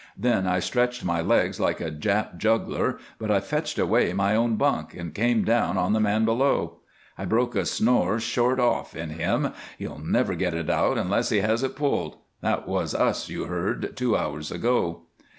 Then I stretched my legs like a Jap juggler, but I fetched away my own bunk and came down on the man below. I broke a snore short off in him. He'll never get it out unless he has it pulled. That was us you heard two hours ago."